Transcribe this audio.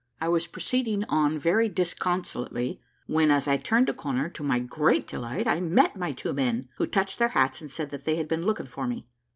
I was proceeding on very disconsolately, when, as I turned a corner, to my great delight, I met my two men, who touched their hats and said that they had been looking for me.